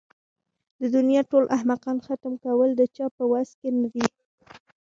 د دنيا ټول احمقان ختم کول د چا په وس کې نه ده.